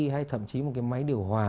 hay thậm chí một cái máy điều hòa